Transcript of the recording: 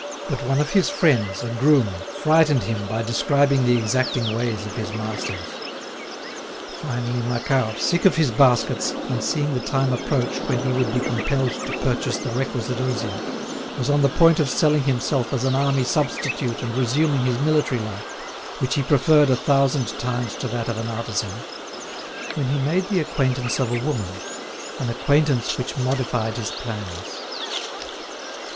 But one of his friends, a groom, frightened him by describing the exacting ways of his masters. Finally Macquart, sick of his baskets, and seeing the time approach when he would be compelled to purchase the requisite osier, was on the point of selling himself as an army substitute and resuming his military life, which he preferred a thousand times to that of an artisan, when he made the acquaintance of a woman, an acquaintance which modified his plans.